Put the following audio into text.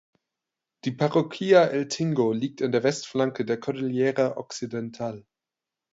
Die Parroquia El Tingo liegt an der Westflanke der Cordillera Occidental.